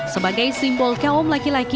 sebagai simbol kaum laki laki